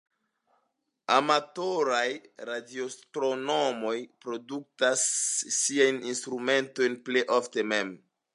Amatoraj-Radioastronomoj produktas siajn instrumentojn plej ofte mem.